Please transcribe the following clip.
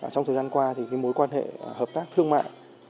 trong thời gian qua thì cái mối quan hệ hợp tác thương mại